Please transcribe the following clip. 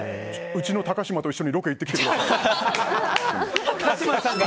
うちの高嶋と一緒にロケ行ってきてください。